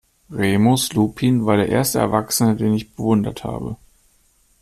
Remus Lupin war der erste Erwachsene, den ich bewundert habe.